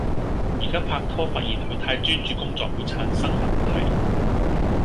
而家拍拖發現佢太專注工作會產生問題